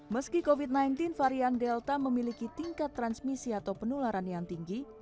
meski covid sembilan belas varian delta memiliki tingkat transmisi atau penularan yang tinggi